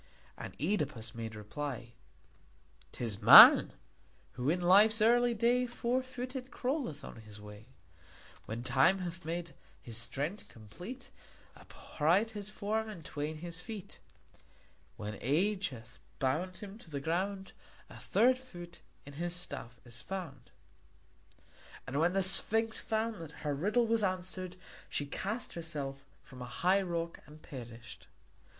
And Œdipus made reply: "'Tis man, who in life's early day Four footed crawleth on his way; When time hath made his strength complete, Upright his form and twain his feet; When age hath bound him to the ground A third foot in his staff is found." [Illustration: ŒDIPUS STOOD BEFORE THE SPHINX] And when the Sphinx found that her riddle was answered she cast herself from a high rock and perished.